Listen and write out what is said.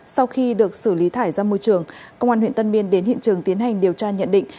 sau khi được xử lý thải ra môi trường công an huyện tân biên đến hiện trường tiến hành điều tra nhận định